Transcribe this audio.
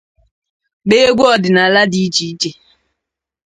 gbaa egwu ọdịnala dị iche iche